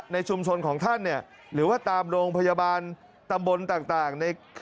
ในชุมชนของท่านเนี่ยหรือว่าตามโรงพยาบาลตำบลต่างใน